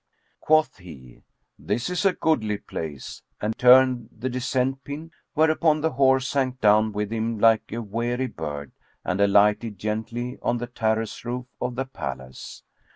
Quoth he, "This is a goodly place," and turned the descent pin, whereupon the horse sank down with him like a weary bird, and alighted gently on the terrace roof of the palace.